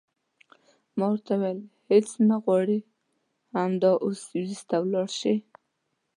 ما ورته وویل هېڅ نه غواړې همدا اوس سویس ته ولاړه شې.